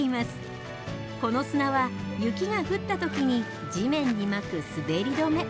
この砂は雪が降った時に地面にまく滑り止め。